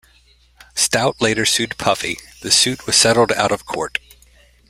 Stoute later sued Puffy, the suit was settled out of court.